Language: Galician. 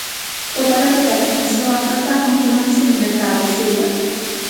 O paro total que iniciou a frota onte nótase nos mercados, Xulia.